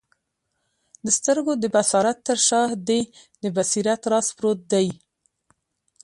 د سترګو د بصارت تر شاه دي د بصیرت راز پروت دی